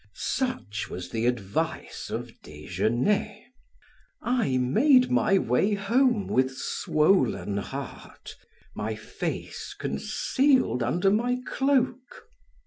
Such was the advice of Desgenais. I made my way home with swollen heart, my face concealed under my cloak.